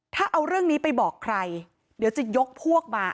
ถ้าเอาเรื่องนี้ไปบอกใครเดี๋ยวจะยกพวกมา